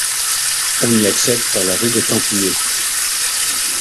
On y accède par la rue des Templiers.